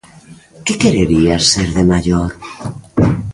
-Que quererías ser de maior?